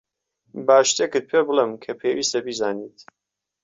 با شتێکت پێبڵێم کە پێویستە بیزانیت.